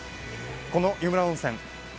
この湯村温泉